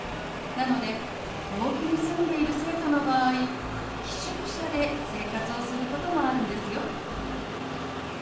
なので遠くに住んでいる生徒の場合寄宿舎で生活をすることもあるんですよ。